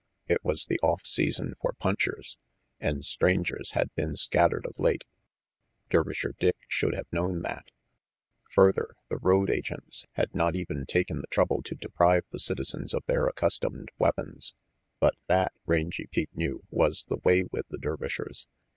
It was the off season for punchers, and strangers had been scattered of late. Dervisher Dick should also have known that. Further, the road agents had not even taken the trouble to deprive the citizens of their accustomed weapons. But that, Rangy Pete knew, was the way with the Dervishers.